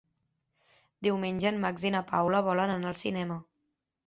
Diumenge en Max i na Paula volen anar al cinema.